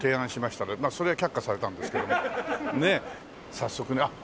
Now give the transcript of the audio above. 早速ねあっ